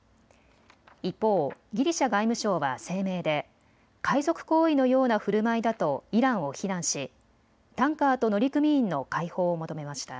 一方、ギリシャ外務省は声明で海賊行為のようなふるまいだとイランを非難しタンカーと乗組員の解放を求めました。